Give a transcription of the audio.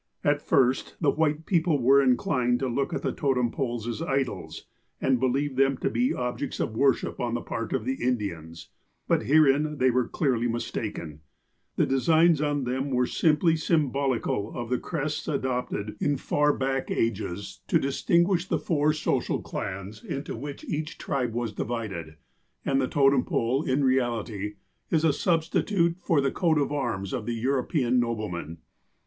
At first the white peoi)le were inclined to look at the totem poles as idols, and believed them to be objects of worship on the part of the Indians. But herein they were clearly mistaken. The designs on them were simply symbolical of the crests adopted in far back ages to distin 84 II THE TOTEMS AND CLUBS 85 guisli the four social clans into which each tribe was di vided, and the totem pole, in reality, is a substitute for the coat of arms of the European nobleman.